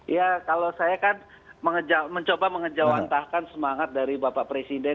ya kalau saya kan mencoba mengejawantahkan semangat dari bapak presiden